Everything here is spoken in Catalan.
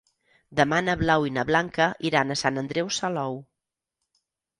Demà na Blau i na Blanca iran a Sant Andreu Salou.